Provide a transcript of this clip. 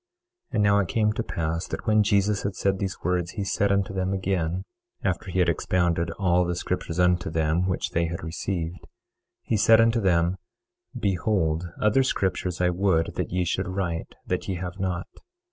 23:6 And now it came to pass that when Jesus had said these words he said unto them again, after he had expounded all the scriptures unto them which they had received, he said unto them: Behold, other scriptures I would that ye should write, that ye have not.